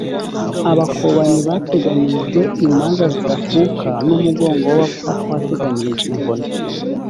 abakobanyi bateganyirijwe imanza zidakuka n’umugongo w’abapfapfa wateganyirijwe inkoni